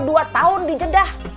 dua tahun di jedah